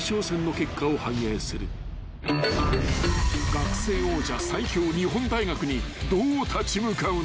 ［学生王者最強日本大学にどう立ち向かうのか］